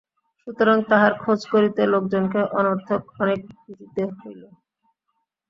সুতরাং তাহার খোঁজ করিতে লোকজনকে অনর্থক অনেক ভিজিতে হইল।